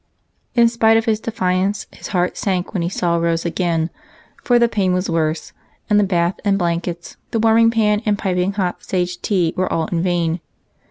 In spite of his defiance his heart sunk when he saw Rose again, for the pain was worse, and the bath and blankets, the warming pan and piping hot sage tea, were all in vain.